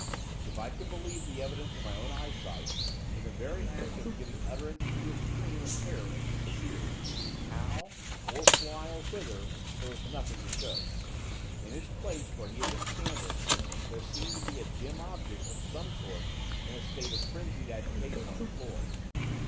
If I could believe the evidence of my own eyesight, in the very act of giving utterance to a scream of terror he disappeared, how, or why, or whither, there was nothing to show, in his place, where he had been standing, there seemed to be a dim object of some sort in a state of frenzied agitation on the floor.